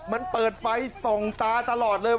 มันเปิดไฟส่องตาตลอดเลย